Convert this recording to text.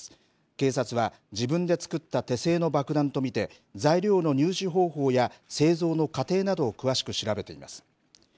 警察は自分で作った手製の爆弾と見て、材料の入手方法や、製造の過程などを詳しく調べています。